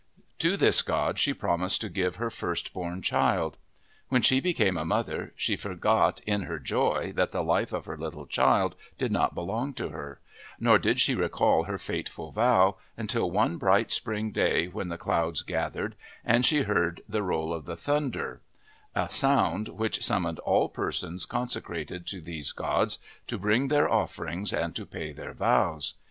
To this god she promised to "^ give her first born child. Whenshe became a mother, she forgot in her joy that the life of her little child did not belong to her ; nor did she recall her fateful vow until one bright spring day when the clouds gathered, and she heard the roll of the Thun der, a sound which summoned all persons conse crated to these gods to bring their offerings and to pay their vows.